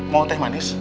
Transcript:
mau teh manis